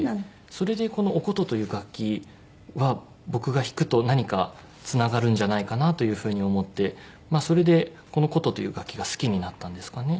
それでこのお箏という楽器は僕が弾くと何かつながるんじゃないかなという風に思ってそれでこの箏という楽器が好きになったんですかね。